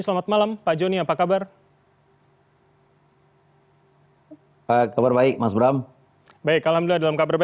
selamat malam pak joni apa kabar